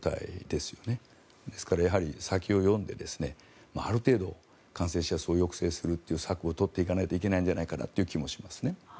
ですから、先を読んである程度感染者数を抑制するという策を取っていかないといけないんじゃないかなという気もしますね。